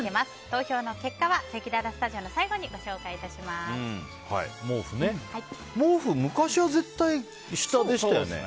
投票の結果はせきららスタジオの最後に毛布ね。